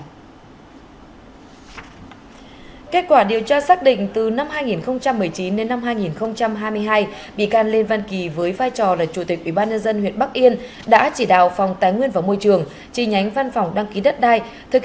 cơ quan cảnh sát điều tra công an tỉnh sơn la vừa khởi tố vụ án khởi tố biện pháp ngăn chặt đối với lê văn kỳ nguyên chủ tịch ubnd huyện bắc yên và sáu đồng phạm là cán bộ phòng tái nguyên và môi trường và văn phòng đăng ký đất đai